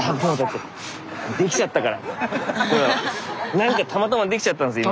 何かたまたまできちゃったんです今。